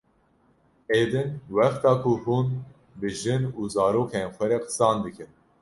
Ê din wexta ku hûn bi jin û zarokên xwe re qisan dikin